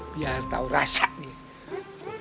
biar tau rasa nih